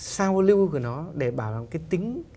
sao lưu của nó để bảo đảm cái tính